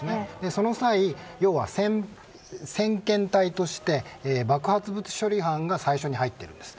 その際、要は先遣隊として爆発物処理班が最初に入っているんです。